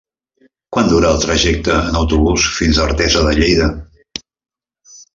Quant dura el trajecte en autobús fins a Artesa de Lleida?